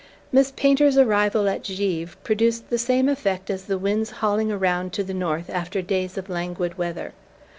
Miss Painter's arrival at Givre produced the same effect as the wind's hauling around to the north after days of languid weather.